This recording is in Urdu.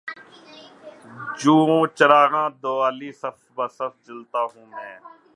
جوں چراغانِ دوالی صف بہ صف جلتا ہوں میں